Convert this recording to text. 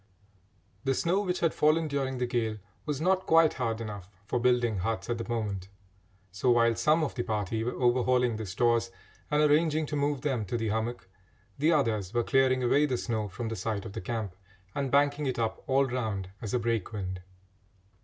The snow which had fallen during the gale was not quite hard enough for building huts at the moment, so while some of the party were overhauling the stores and arranging to move them to the hummock, the others were clearing away the snow from the site of the camp and banking it up all round as a break wind.